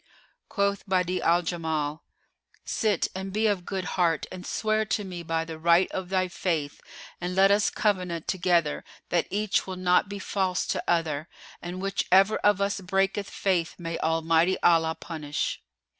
Quoth Badi'a al Jamal, "Sit and be of good heart and swear to me by the right of thy Faith and let us covenant together that each will not be false to other; and whichever of us breaketh faith may Almighty Allah punish!"